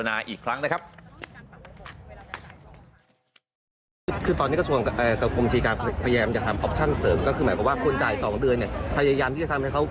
ถ้าใครไม่ชอบก็ใช้อย่างเดิมได้นะฮะไปฟังเสียงทางนายกรัฐมนตรีกันครับ